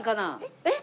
えっ！